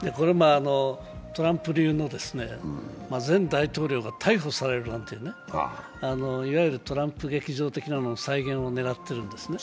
トランプ流の前大統領が逮捕されるなんていうね、いわゆるトランプ劇場的なのの再現を狙っているんですね。